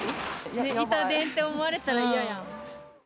イタ電って思われたら嫌やん。